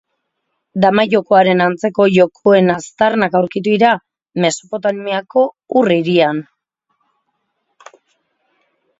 Dama-jokoaren antzeko jokoen aztarnak aurkitu dira Mesopotamiako Ur hirian.